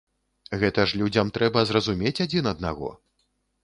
Гэта ж людзям трэба зразумець адзін аднаго.